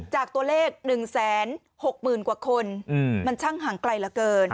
จากตัวเลข๑๖๐๐๐กว่าคนมันช่างห่างไกลเหลือเกิน